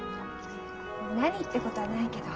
「何」ってことはないけど。